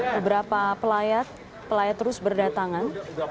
beberapa pelayat terus berdatangan